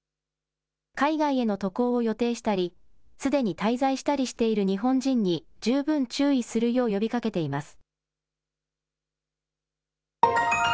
海外への渡航を予定したりすでに滞在したりしている日本人に十分注意するよう呼びかけています。